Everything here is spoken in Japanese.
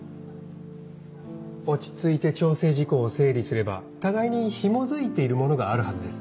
落ち着いて調整事項を整理すれば互いにひもづいているものがあるはずです。